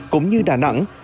cũng như đà nẵng